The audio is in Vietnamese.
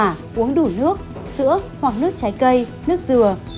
là uống đủ nước sữa hoặc nước trái cây nước dừa